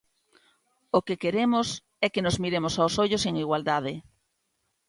O que queremos é que nos miremos aos ollos en igualdade.